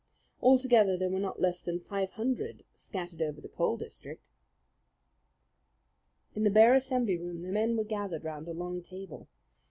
Altogether there were not less than five hundred scattered over the coal district. In the bare assembly room the men were gathered round a long table.